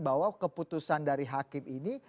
bahwa keputusan dari hakim ini